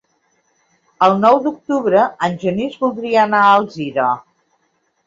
El nou d'octubre en Genís voldria anar a Alzira.